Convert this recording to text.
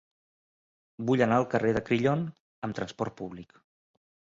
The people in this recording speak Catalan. Vull anar al carrer de Crillon amb trasport públic.